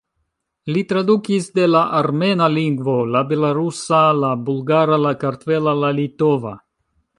Li tradukis de la armena lingvo, la belorusa, la bulgara, la kartvela, la litova.